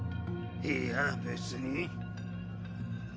いや別に。